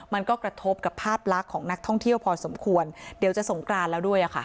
มันก็กระทบกับภาพลักษณ์ของนักท่องเที่ยวพอสมควรเดี๋ยวจะสงกรานแล้วด้วย